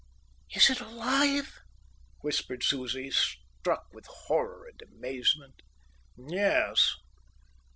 "Is it alive?" whispered Susie, struck with horror and amazement. "Yes!"